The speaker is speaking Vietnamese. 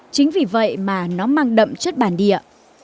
chính vì vậy mà nó mang đậm chất bản địa